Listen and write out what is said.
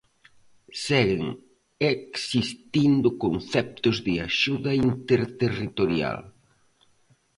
Seguen existindo conceptos de axuda interterritorial.